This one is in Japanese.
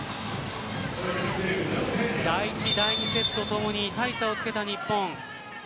第１、第２セットともに大差をつけた日本。